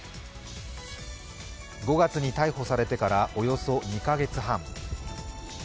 ５月に逮捕されてからおよそ２カ月半。